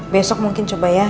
besok mungkin coba ya